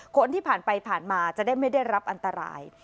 คนที่ผ่านไปผ่านมาจะได้ไม่ได้รับอันตราย